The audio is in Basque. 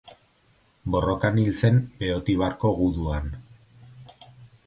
Borrokan hil zen Beotibarko guduan.